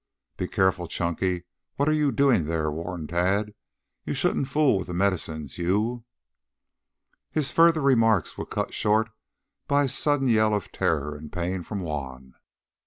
"Be careful, Chunky, what are you doing there?" warned Tad. "You shouldn't fool with the medicines. You " His further remarks were cut short by a sudden yell of terror and pain from Juan.